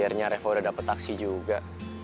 akhirnya reva udah dapet taksi juga